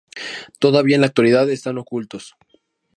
Todavía en la actualidad están ocultos.